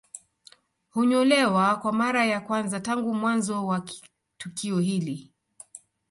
Hunyolewa kwa mara ya kwanza tangu mwanzo wa tukio hili